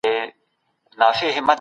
زه غواړم چې خپل ځوان پاتې کیږم.